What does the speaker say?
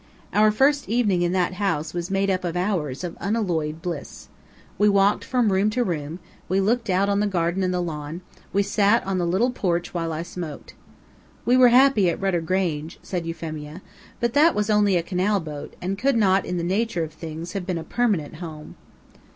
Our first evening in that house was made up of hours of unalloyed bliss. We walked from room to room; we looked out on the garden and the lawn; we sat on the little porch while I smoked. "We were happy at Rudder Grange," said Euphemia; "but that was only a canal boat, and could not, in the nature of things, have been a permanent home."